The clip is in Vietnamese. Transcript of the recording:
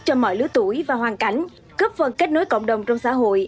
cho mọi lứa tuổi và hoàn cảnh góp phần kết nối cộng đồng trong xã hội